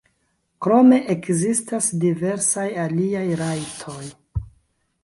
Krome ekzistas diversaj aliaj rajtoj.